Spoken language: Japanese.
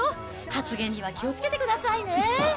発言には気をつけてくださいね。